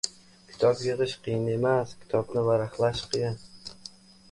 • Kitob yig‘ish qiyin ish emas, kitobni varaqlash qiyin.